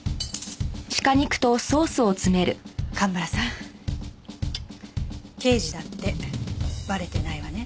蒲原さん刑事だってバレてないわね？